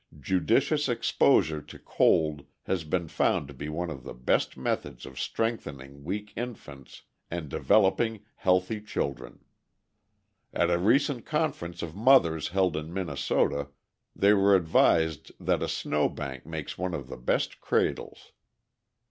Judicious exposure to cold has been found to be one of the best methods of strengthening weak infants and developing healthy children. At a recent conference of mothers held in Minnesota, they were advised that a snowbank makes one of the best cradles.